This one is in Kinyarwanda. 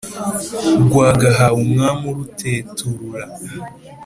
rwagahawe umwami uruteturura,